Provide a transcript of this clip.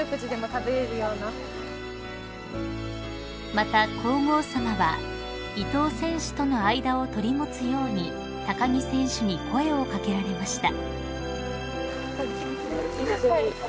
［また皇后さまは伊藤選手との間を取り持つように木選手に声を掛けられました］